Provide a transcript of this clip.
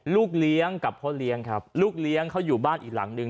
ลูกเลี้ยงกับพ่อเลี้ยงครับลูกเลี้ยงเขาอยู่บ้านอีกหลังนึง